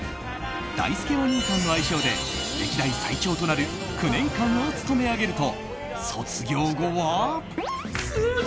だいすけおにいさんの愛称で歴代最長となる９年間を務め上げると卒業後は。